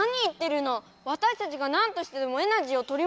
わたしたちがなんとしてでもエナジーをとりもどさないと！